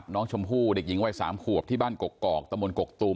น้องชมพู่เด็กหญิงวัย๓ขวบที่บ้านกกอกตะมนตกกตูม